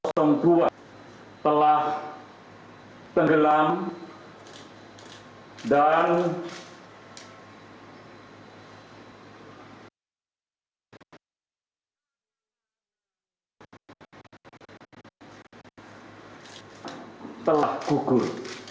tanggal empat dua telah tenggelam dan telah kukur